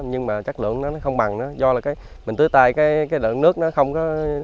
nhưng mà chất lượng nó không bằng nữa do là mình tưới tay cái lượng nước nó không có